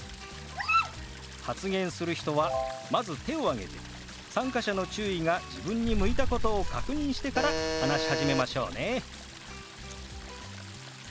発言する人はまず手を挙げて参加者の注意が自分に向いたことを確認してから話し始めましょうね。